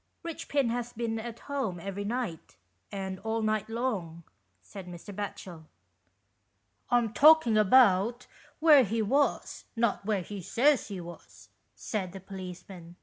" Eichpin has been at home every night, and all night long," said Mr. Batchel. " I'm talking about where he was, not where he says he was," said the policeman.